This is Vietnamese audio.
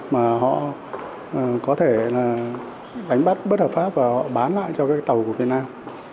mà họ có thể đánh bắt bất hợp pháp và họ bán lại cho các tàu của việt nam